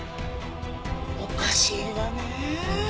おかしいわね。